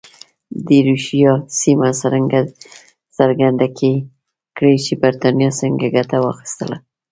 د ایروشیا سیمه څرګنده کړي چې برېټانیا څنګه ګټه واخیسته.